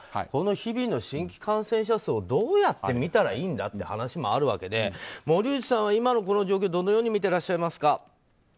この日々の新規感染者数をどうやって見たらいいんだっていう話もあるわけで森内さんは今の状況をどのように見てらっしゃいますか。